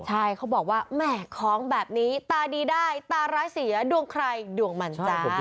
ใช่เขาบอกว่าแหม่ของแบบนี้ตาดีได้ตาร้ายเสียดวงใครดวงมันจ้า